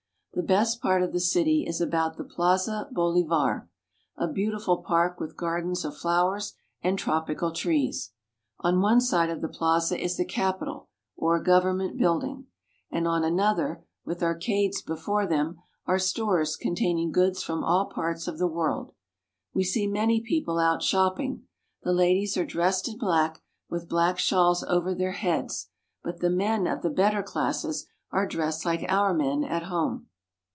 The best part of the city is about the Plaza Bohvar (bo leVar), a beautiful park with gardens of flowers and tropical trees. On one side of the plaza is the capitol, or government building; and on another, with arcades before them, are stores containing goods from all parts of the world. We see many people out shopping. The ladies are dressed in black, with black shawls over their heads, but the men of the better classes are dressed like our men at home.